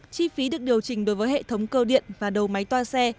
chi phí được điều chỉnh đối với hệ thống cơ điện và đầu máy toa xe